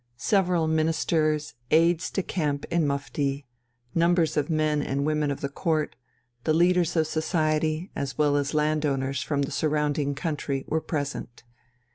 Several Ministers, aides de camp in mufti, numbers of men and women of the Court, the leaders of society, as well as landowners from the surrounding country, were present.